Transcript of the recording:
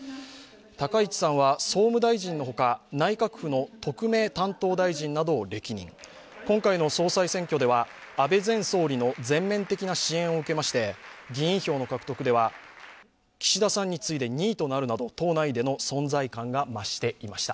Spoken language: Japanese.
高市さんは総務大臣のほか内閣府の特命担当大臣などを歴任、今回の総裁選挙では安倍前総理の全面的な支援を受けまして議員票の獲得では岸田さんに次いで２位となるなど、党内での存在感が増していました。